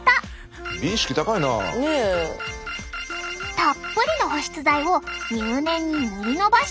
たっぷりの保湿剤を入念に塗り伸ばしていきます！